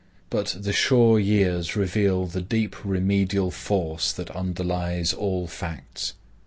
But the sure years reveal the deep remedial force that underlies all facts.